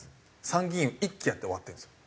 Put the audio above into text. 参議院を１期やって終わってるんですよ。